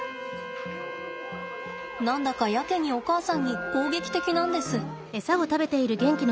何だかやけにお母さんに攻撃的なんです。